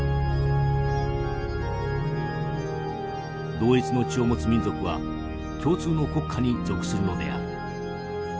「同一の血を持つ民族は共通の国家に属するのである。